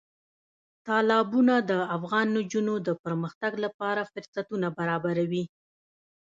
تالابونه د افغان نجونو د پرمختګ لپاره فرصتونه برابروي.